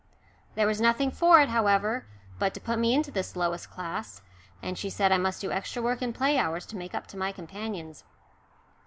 There was nothing for it, however, but to put me into this lowest class, and she said I must do extra work in play hours to make up to my companions.